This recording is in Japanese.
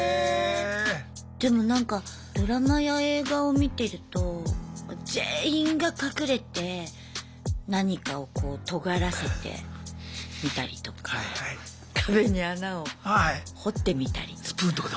でもなんかドラマや映画を見てると全員が隠れて何かをこうとがらせてみたりとか壁に穴を掘ってみたりとか。